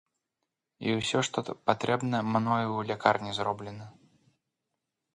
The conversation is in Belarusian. І ўсё, што патрэбна, мною ў лякарні зроблена.